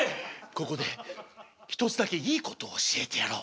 ここで一つだけいいことを教えてやろう。